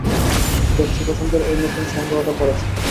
দেখছি বসন্তের ওই নতুন সংগ্রহটা পরেছ।